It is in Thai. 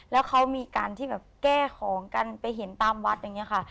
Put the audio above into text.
แล้วเขามีการที่แบบแก้ของกันไปเห็นตามวัดอย่างนี้ค่ะ